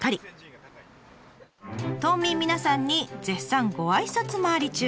島民皆さんに絶賛ごあいさつ回り中。